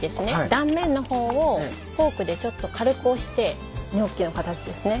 断面の方をフォークでちょっと軽く押してニョッキの形ですね。